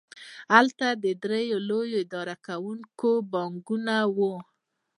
هلته درې لوی اداره کوونکي بانکونه وو